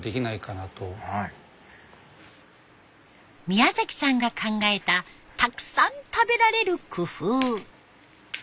宮崎さんが考えたたくさん食べられる工夫。